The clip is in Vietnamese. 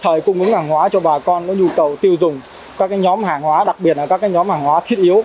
thời cung ứng hàng hóa cho bà con có nhu cầu tiêu dùng các nhóm hàng hóa đặc biệt là các nhóm hàng hóa thiết yếu